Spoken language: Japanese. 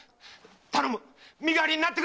身代わりになってくれ！〕